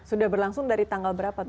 sudah berlangsung dari tanggal berapa